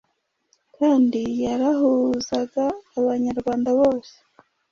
kandi yarahuzaga Abanyarwanda bose